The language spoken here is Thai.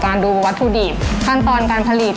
ดูวัตถุดิบขั้นตอนการผลิต